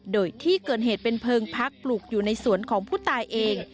โดยที่เกิดเหตุเป็นเพลิงพักปลูกอยู่ในสวนของผู้ตายเอง